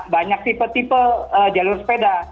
banyak tipe tipe jalur sepeda